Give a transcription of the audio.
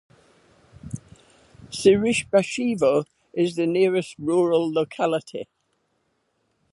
Syryshbashevo is the nearest rural locality.